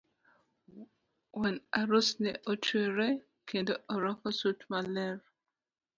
Wuon arus ne otwero kendo orwako sut maler.